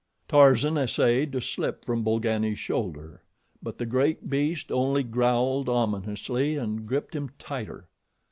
Tarzan essayed to slip from Bolgani's shoulder; but the great beast only growled ominously and gripped him tighter.